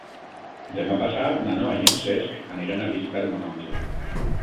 Demà passat na Noa i en Cesc aniran a visitar mon oncle.